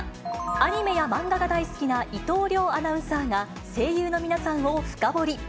アニメや漫画が大好きな伊藤遼アナウンサーが声優の皆さんを深掘り。